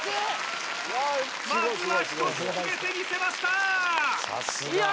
まずは１つ決めてみせましたいいよ！